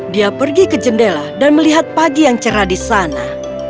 dia pergi ke jendela dan melihat pagi yang cerah di sana